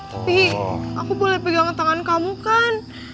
tapi aku boleh pegang tangan kamu kan